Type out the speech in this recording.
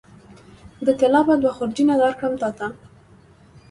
د طلا به دوه خورجینه درکړم تاته